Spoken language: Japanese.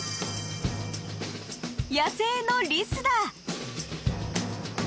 ［野生のリスだ］